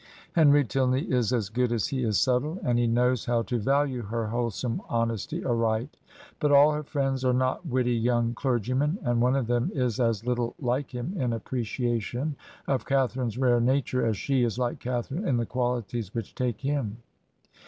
Henry Tilney is as good as he is subtle, and he knows how to value her wholesome honesty aright; but all her friends are not witty young clergymen, and one of them is as little like him in appreciation of Catharine's rare nature as she is like Catharine in the qusJities which take him.